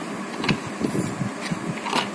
biashara itafikia kujitosheleza na kujiendesha yenyewe